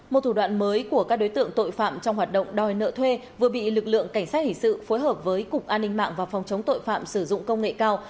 một thủ đoạn mới của các đối tượng tội phạm trong hoạt động đòi nợ thuê vừa bị lực lượng cảnh sát hình sự phối hợp với cục an ninh mạng và phòng chống tội phạm sử dụng công nghệ cao